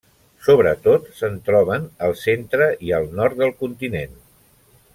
Sobretot se'n troben al centre i al nord del continent.